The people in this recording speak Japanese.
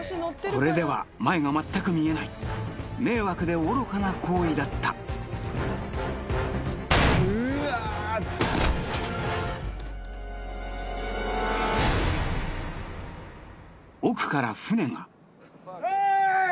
これでは前が全く見えない迷惑で愚かな行為だった奥から舟がヘーイ！